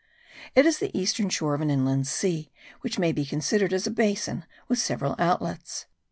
It is the eastern shore of an inland sea which may be considered as a basin with several outlets.